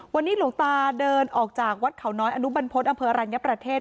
วันนี้หลวงตาเดินออกจากวัดเขาน้อยอนุบรรพฤษอำเภออรัญญประเทศ